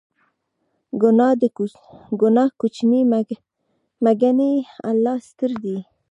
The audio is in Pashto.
ګناه کوچنۍ مه ګڼئ، الله ستر دی.